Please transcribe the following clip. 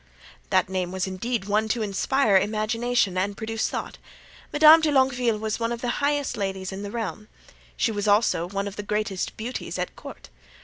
That name was indeed one to inspire imagination and produce thought. Madame de Longueville was one of the highest ladies in the realm; she was also one of the greatest beauties at court.